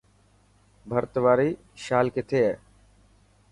ڀرت واري شال ڪٿي هي.